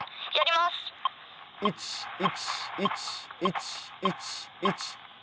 １１１１１１。